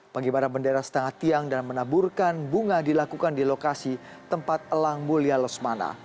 pengibaran bendera setengah tiang dan menaburkan bunga dilakukan di lokasi tempat elang mulia lesmana